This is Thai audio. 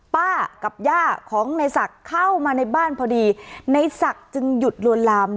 ป้ากับย่าของในศักดิ์เข้ามาในบ้านพอดีในศักดิ์จึงหยุดลวนลาม